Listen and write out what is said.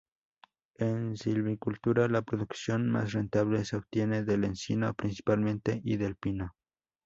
En silvicultura la producción más rentable se obtiene del encino principalmente y del pino.